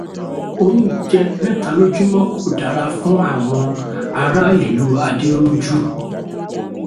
Oúnjẹ mẹ́ta lójúmọ́ kò dára fún àwọn ará ìlú Adérójú